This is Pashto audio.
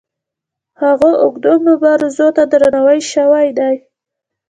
هغو اوږدو مبارزو ته درناوی شوی دی.